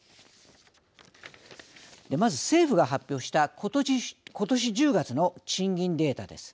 まず、政府が発表した今年１０月の賃金データです。